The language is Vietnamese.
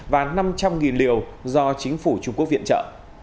và năm trăm linh liều do chính phủ trung quốc viện trợ